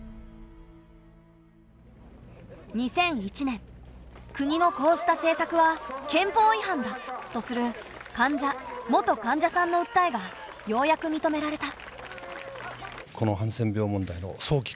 ２００１年国のこうした政策は憲法違反だとする患者元患者さんの訴えがようやく認められた。